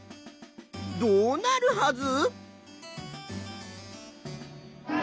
どうなるはず？